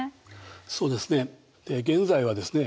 そうですね。